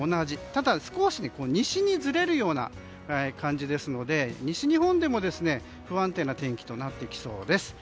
ただ少し西にずれるような感じですので西日本でも不安定な天気となってきそうです。